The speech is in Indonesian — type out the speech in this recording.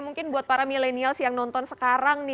mungkin buat para milenial yang nonton sekarang